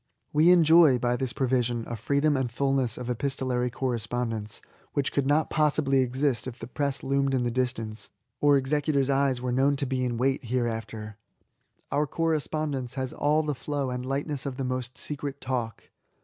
We enjoy, by this provision, a freedom and fulness of epistolary correspondence which could not possibly exist if the press loomed in the distance, or executors* eyes were known to be in wait hereafter. Our correspondence has all the flow and lightness of the most secret talk.